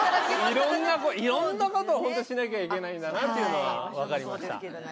いろんなことを本当にしなきゃいけないんだなっていうのが分かりました今回はね。